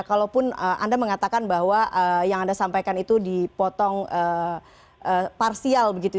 kalaupun anda mengatakan bahwa yang anda sampaikan itu dipotong parsial begitu